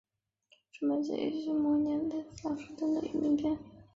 赤眉起义是新朝末年的一次在山东地区的民变。